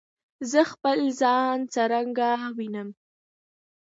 زه خپل ځان څرنګه وینم؟